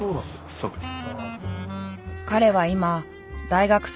そうですね。